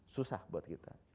susah buat kita